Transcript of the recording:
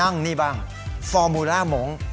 นั่งนี่บ้างฟอร์มูล่าโหมง